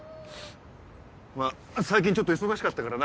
まぁ最近ちょっと忙しかったからな。